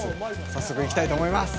早速、行きたいと思います。